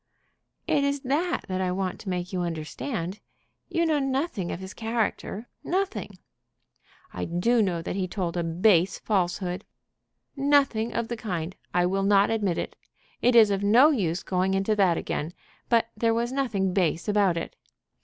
"It is that that I want to make you understand. You know nothing of his character; nothing." "I do know that he told a base falsehood." "Nothing of the kind! I will not admit it. It is of no use going into that again, but there was nothing base about it.